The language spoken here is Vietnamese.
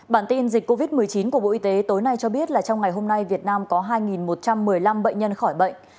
bản tin dịch covid một mươi chín của bộ y tế tối nay cho biết là trong ngày hôm nay việt nam có hai một trăm một mươi năm bệnh nhân khỏi bệnh